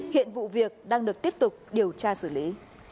hiện vụ việc đang được tiếp tục điều tra xử lý